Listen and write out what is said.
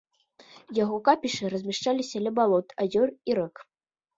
Яго капішчы размяшчаліся ля балот, азёр і рэк.